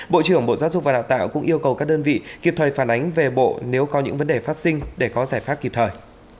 bộ trưởng bộ giáo dục và đào tạo cũng yêu cầu các đơn vị kịp thời phản ánh về bộ nếu có những vấn đề phát sinh để có giải pháp kịp thời